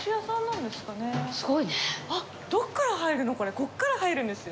ここから入るんですよ。